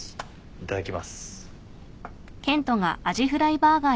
いただきます。